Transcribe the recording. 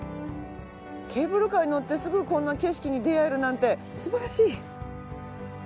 ケーブルカーに乗ってすぐこんな景色に出会えるなんて素晴らしい！